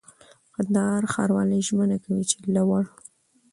کندهار ښاروالي ژمنه کوي چي له وړ